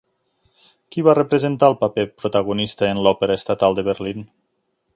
Qui va representar el paper protagonista en l'Òpera Estatal de Berlín?